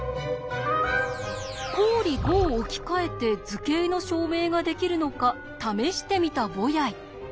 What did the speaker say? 公理５を置き換えて図形の証明ができるのか試してみたボヤイ。